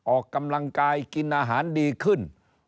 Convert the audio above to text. ออกกำลังกายกินอาหารดีขึ้น